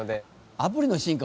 アプリの進化